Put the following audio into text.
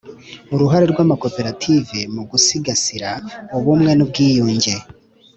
Uruhare rw amakoperative mu gusigasira ubumwe n ubwiyunge